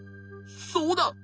そうだ！